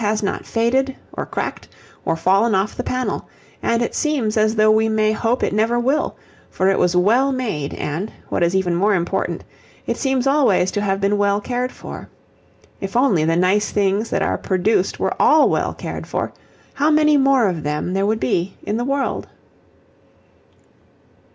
has not faded or cracked or fallen off the panel, and it seems as though we may hope it never will, for it was well made and, what is even more important, it seems always to have been well cared for. If only the nice things that are produced were all well cared for, how many more of them there would be in the world!